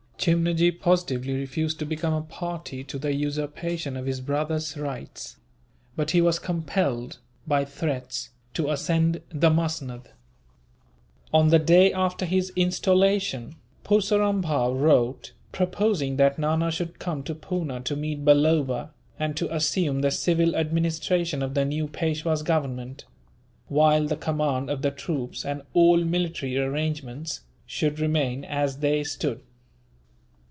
Chimnajee positively refused to become a party to the usurpation of his brother's rights; but he was compelled, by threats, to ascend the musnud. On the day after his installation, Purseram Bhow wrote, proposing that Nana should come to Poona to meet Balloba, and to assume the civil administration of the new Peishwa's government; while the command of the troops, and all military arrangements, should remain as they stood.